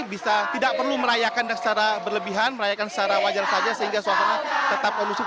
bisa tidak perlu merayakan secara berlebihan merayakan secara wajar saja sehingga soalnya tetap kolusif terutama di kota surabaya ini